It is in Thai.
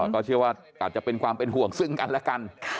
ก็เชื่อว่าอาจจะเป็นความเป็นห่วงซึ่งกันและกัน